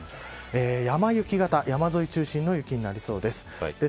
山雪方、山沿い中心の雪になりそうです。